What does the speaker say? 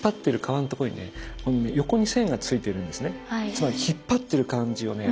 つまり引っ張ってる感じをね